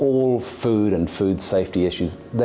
halal itu sangat penting untuk kita